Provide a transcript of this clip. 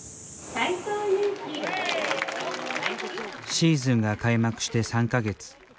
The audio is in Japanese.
シーズンが開幕して３か月。